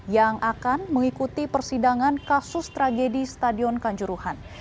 yang akan mengikuti persidangan kasus tragedi stadion kanjuruhan